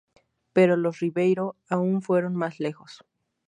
Pero los Ribeiro aún fueron más lejos.